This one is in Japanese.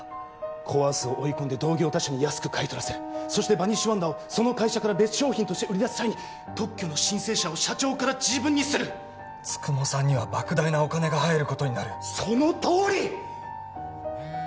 コ・アースを追い込んで同業他社に安く買い取らせるそしてバニッシュワンダーをその会社から別商品として売り出す際に特許の申請者を社長から自分にする九十九さんにはばく大なお金が入ることになるそのとおり！